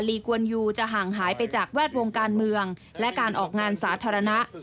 กวนยูจะห่างหายไปจากแวดวงการเมืองและการออกงานสาธารณะ